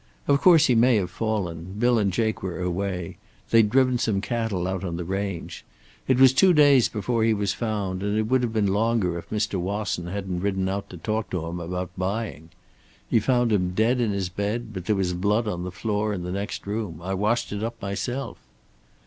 Of course, he may have fallen Bill and Jake were away. They'd driven some cattle out on the range. It was two days before he was found, and it would have been longer if Mr. Wasson hadn't ridden out to talk to him about buying. He found him dead in his bed, but there was blood on the floor in the next room. I washed it up myself."